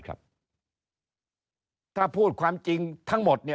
ถ้าพูดความจริงทั้งหมด